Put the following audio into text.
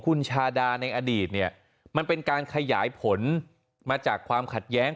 คุณชาดาในอดีตเนี่ยมันเป็นการขยายผลมาจากความขัดแย้ง